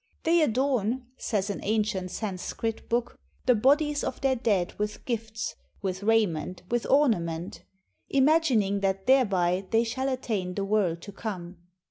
" They adorn," says an ancient Sanskrit book, " the bodies of their dead with gifts, with raiment, with ornaments; imagining that thereby they shall attain the world to come."